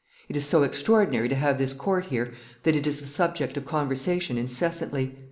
It is so extraordinary to have this court here that it is the subject of conversation incessantly.